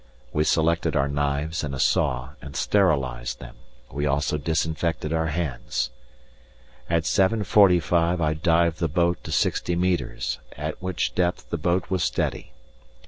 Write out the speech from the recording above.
We selected our knives and a saw and sterilized them; we also disinfected our hands. At 7.45 I dived the boat to sixty metres, at which depth the boat was steady.